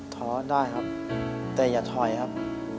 ท้อได้ครับแต่อย่าถอยครับ